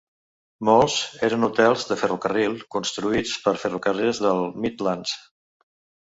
Molts eren hotels de ferrocarril construïts pels Ferrocarrils dels Midlands.